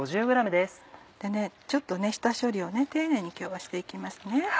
ちょっと下処理を丁寧に今日はして行きます。